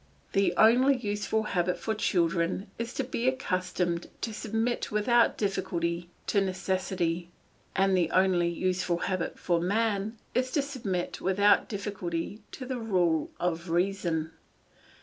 The only useful habit for children is to be accustomed to submit without difficulty to necessity, and the only useful habit for man is to submit without difficulty to the rule of reason.